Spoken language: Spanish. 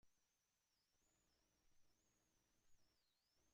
Es un parque nacional marino.